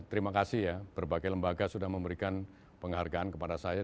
terima kasih ya berbagai lembaga sudah memberikan penghargaan kepada saya